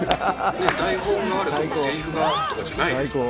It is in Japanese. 台本があるとか、せりふがあるとかじゃないですから。